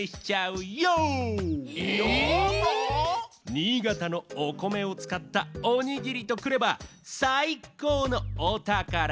新潟のお米をつかったおにぎりとくればさいこうのおたから！